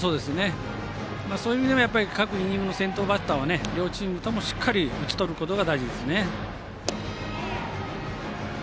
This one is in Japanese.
そういう意味でも各イニングの先頭バッターは両チームとも、しっかり打ち取ることが大事ですね。